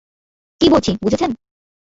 কী বলছি বুঝেছেন?